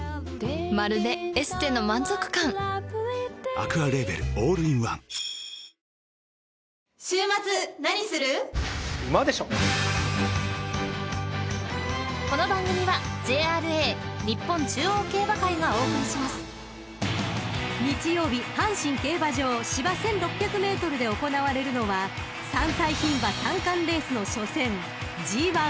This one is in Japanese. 「ＡＱＵＡＬＡＢＥＬ」オールインワン［日曜日阪神競馬場芝１，６００ｍで行われるのは３歳牝馬三冠レースの初戦］